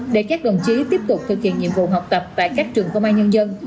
để các đồng chí tiếp tục thực hiện nhiệm vụ học tập tại các trường phong mai nhân dân